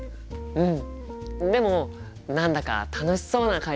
うん！